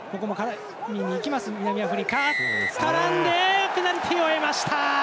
絡んでペナルティを得ました。